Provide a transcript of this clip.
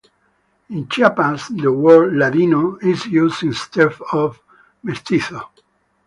In Chiapas the word "Ladino" is used instead of mestizo.